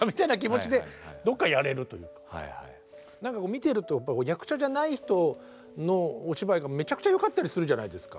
見てると役者じゃない人のお芝居がめちゃくちゃよかったりするじゃないですか。